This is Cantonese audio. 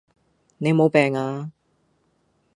你無病呀?